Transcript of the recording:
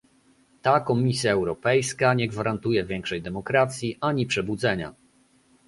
Ta Komisja Europejska nie gwarantuje większej demokracji ani przebudzenia